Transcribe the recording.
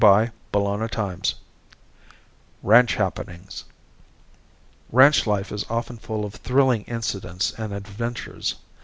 CHAPTER VI RANCH HAPPENINGS Ranch life is often full of thrilling incidents and adventures.